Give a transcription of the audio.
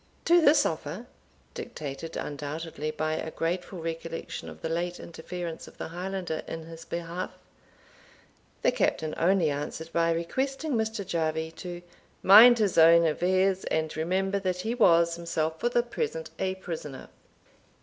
To this offer, dictated undoubtedly by a grateful recollection of the late interference of the Highlander in his behalf, the Captain only answered by requesting Mr. Jarvie to "mind his own affairs, and remember that he was himself for the present a prisoner."